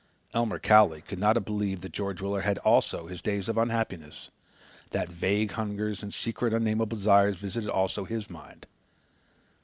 Elmer Cowley could not have believed that George Willard had also his days of unhappiness, that vague hungers and secret unnamable desires visited also his mind.